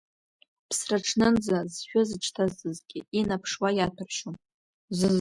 Ԥсраҽнынӡа зшәы зыҽҭазӡызгьы, инаԥшуа иаҭәаршьом.